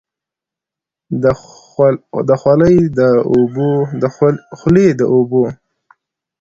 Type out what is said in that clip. د خولې د اوبو د زیاتوالي لپاره د بهي دانه وکاروئ